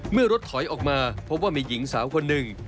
เมื่อรถถอยออกมาพบว่ามีหญิงสาวคนหนึ่ง